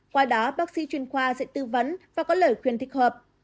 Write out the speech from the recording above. qua đó bác sĩ chuyên khoa sẽ tư vấn và có lời khuyên thích hợp